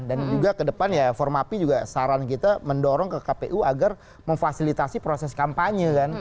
dan juga ke depan formapi juga saran kita mendorong ke kpu agar memfasilitasi proses kampanye